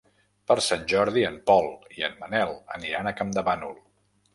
Per Sant Jordi en Pol i en Manel aniran a Campdevànol.